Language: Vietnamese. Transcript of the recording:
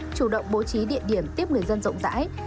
chủ động bố trí địa điểm tiếp người dân rộng rãi